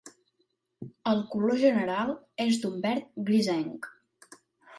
El color general és d'un verd grisenc.